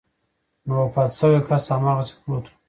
نو وفات شوی کس هماغسې پروت و.